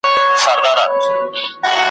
لښکر د ابوجهل ته به کلي تنها نه وي `